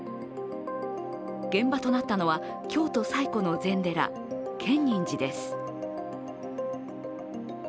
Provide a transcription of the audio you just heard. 現場となったのは、京都最古の禅寺、建仁寺です。